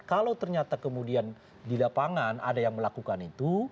kalau ternyata kemudian di lapangan ada yang melakukan itu